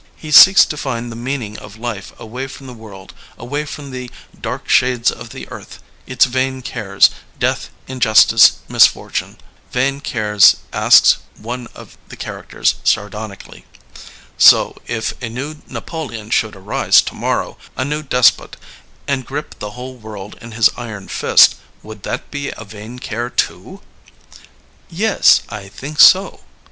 He seeks to find the meaning of life away from the world, away from the dark shades of the earth, its vain cares— death, injustice, misfortune. '' Vain cares f asks one of the characters, sardon ically. So, if a new Napoleon should arise to morrow, a new despot, and grip the whole world in his iron fist, would that be a vain care, toof Yes, I think so.'